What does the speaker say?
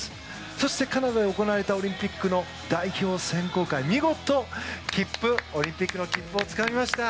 そして、カナダで行われたオリンピックの代表選考会で見事オリンピックの切符をつかみました。